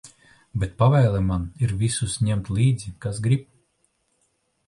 Bet pavēle man ir visus ņemt līdzi, kas grib.